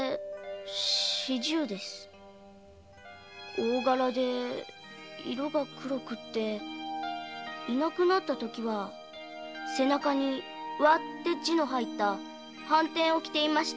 大柄で色が黒くて居なくなった時は背中に「和」って字の入ったハンテンを着ていました。